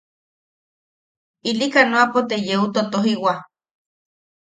Ili kanoapo te yeu totojiwa.